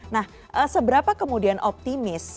nah seberapa kemudian optimis